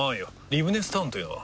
リブネスタウンというのは？